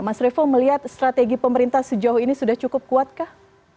mas revo melihat strategi pemerintah sejauh ini sudah cukup kuat kah